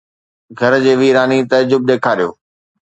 گھر جي ويراني تعجب! ڏيکاريو